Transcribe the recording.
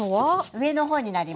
上の方になります。